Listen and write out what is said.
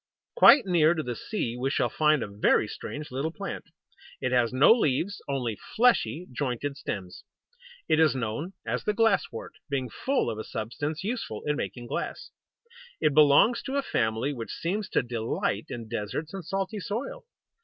Quite near to the sea we shall find a very strange little plant. It has no leaves, only fleshy, jointed stems. It is known as the Glass wort, being full of a substance useful in making glass. It belongs to a family which seems to delight in deserts and salty soil!